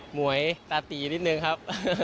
หมวยตาตีนิดนึงครับ